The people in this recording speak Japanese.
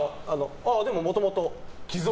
でも、もともと。